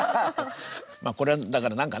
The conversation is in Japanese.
まあこれはだから何かね